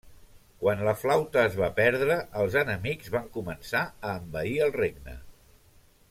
Quan la flauta es va perdre els enemics van començar a envair el regne.